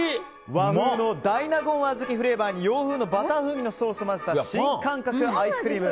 和風の大納言あずきフレーバーに洋風のバター風味のソースを混ぜた新感覚アイスクリーム。